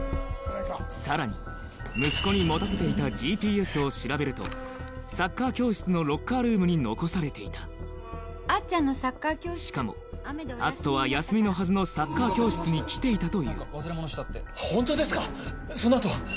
さらに息子に持たせていたＧＰＳを調べるとサッカー教室のロッカールームに残されていたしかも篤斗は休みのはずのサッカー教室に来ていたというホントですか⁉その後は？